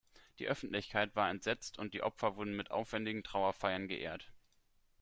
Die Öffentlichkeit war entsetzt und die Opfer wurden mit aufwendigen Trauerfeiern geehrt.